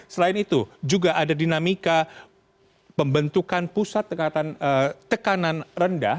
selain itu juga ada dinamika pembentukan pusat tekanan rendah